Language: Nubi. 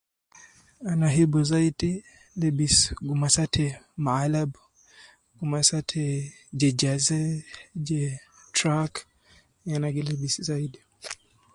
Ana hibu zaidi lebisi gumasa te malab, gumasa te je Jersey je track ya ana gi lebis zaidi